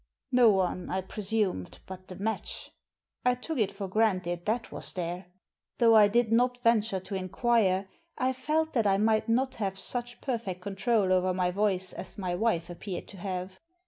No one, I presumed, but the match. I took it for granted that was there. Though I did not venture to inquire, I felt that I might not have such perfect control over my voice as my wife appeared to have.